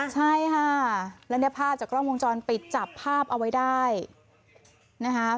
ใช่ค่ะแล้วเนี่ยภาพจากกล้องวงจรปิดจับภาพเอาไว้ได้นะคะ